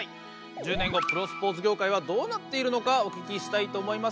１０年後プロスポーツ業界はどうなっているのかお聞きしたいと思います。